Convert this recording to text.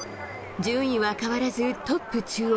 順位は変わらず、トップ、中央。